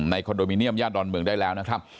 คอนโดมิเนียมย่านดอนเมืองได้แล้วนะครับ